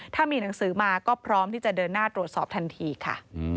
ถ้ามีหนังสือมาก็พร้อมที่จะเดินหน้าตรวจสอบทันทีค่ะ